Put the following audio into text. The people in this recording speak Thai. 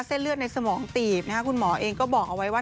เส้นเลือดในสมองตีบคุณหมอเองก็บอกเอาไว้ว่า